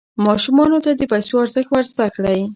ماشومانو ته د پیسو ارزښت ور زده کړئ.